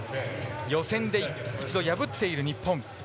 予選で一度破っている日本。